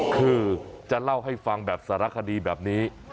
คือจะเล่าให้ฟังแบบสารคดีแบบนี้